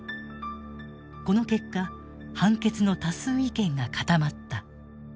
この結果判決の多数意見が固まった。